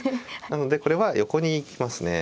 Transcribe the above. なのでこれは横に行きますね。